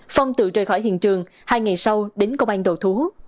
phong tự rời khỏi hiện trường hai ngày sau đến công an đầu thú